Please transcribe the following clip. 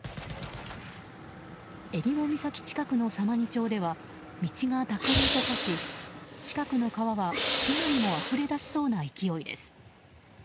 えりも岬付近の様似町では道が濁流と化し、近くの川は今にもあふれ出しそうな勢いです。